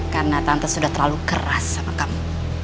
karena tante sudah terlalu keras sama kamu